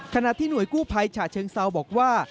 ขณะที่หน่วยกู้ภัยฉะเชิงเซาบอกว่า